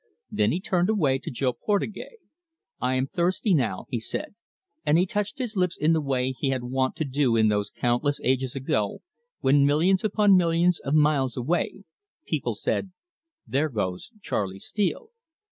Then he turned away to Jo Portugais. "I am thirsty now," he said, and he touched his lips in the way he was wont to do in those countless ages ago, when, millions upon millions of miles away, people said: "There goes Charley Steele!"